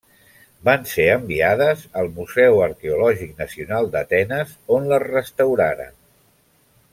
Van ser enviades al Museu Arqueològic Nacional d'Atenes, on les restauraren.